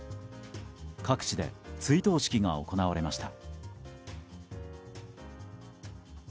各地で追悼式が行われました。